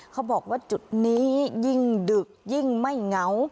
เขาบอกว่าจุดนี้ยิ่งดึกยิ่งไม่เหงา